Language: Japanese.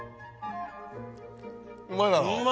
うまいだろ。